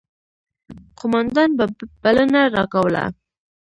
قوماندان به بلنه راکوله.